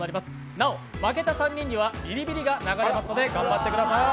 なお負けた３人にはビリビリが流れますので、頑張ってください。